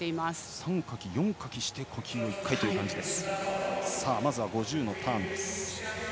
３かき、４かきして呼吸１回という感じです。